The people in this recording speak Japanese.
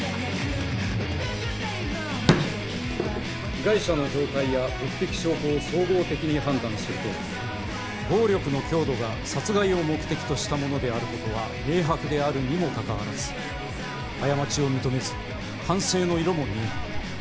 被害者の状態や物的証拠を総合的に判断すると暴力の強度が殺害を目的としたものである事は明白であるにもかかわらず過ちを認めず反省の色も見えない。